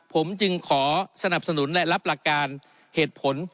ผมจึงขอสนับสนุนและรับหลักการเหตุผล